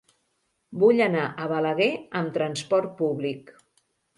Vull anar a Balaguer amb trasport públic.